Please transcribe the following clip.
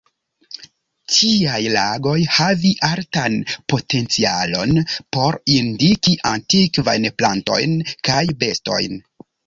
Tiaj lagoj havi altan potencialon por indiki antikvajn plantojn kaj bestojn.